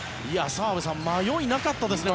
澤部さん迷いがなかったですね。